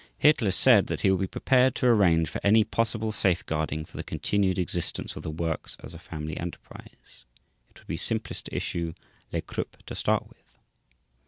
Hitler said that he would be "prepared to arrange for any possible safeguarding for the continued existence of the works as a family enterprise; it would be simplest to issue 'lex Krupp' to start with".